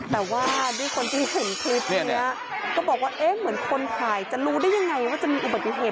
แต่ว่าด้วยคนที่เห็นคลิปนี้ก็บอกว่าเอ๊ะเหมือนคนถ่ายจะรู้ได้ยังไงว่าจะมีอุบัติเหตุ